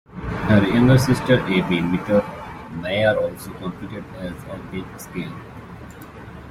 Her younger sister Evi Mittermaier also competed as an alpine skier.